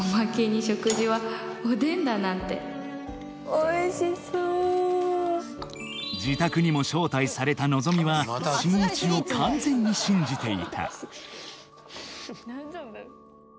おいしそう自宅にも招待された望美は進一を完全に信じていた大丈夫？